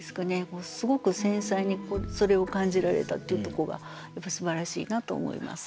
すごく繊細にそれを感じられたっていうとこがすばらしいなと思います。